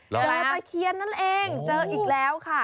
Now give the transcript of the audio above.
ปลาตะเคียนนั่นเองเจออีกแล้วค่ะ